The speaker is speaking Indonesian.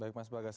baik mas bagas